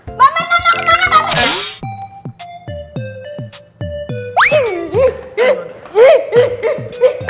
mbak mirna mau kemana pak bos